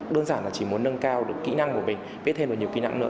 đơn giản là chỉ muốn nâng cao được kỹ năng của mình biết thêm được nhiều kỹ năng nữa